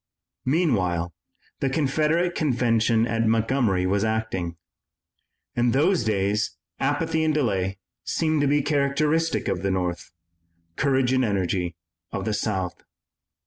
Meanwhile the Confederate convention at Montgomery was acting. In those days apathy and delay seemed to be characteristic of the North, courage and energy of the South.